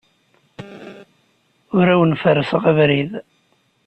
Ur awen-ferrseɣ abrid.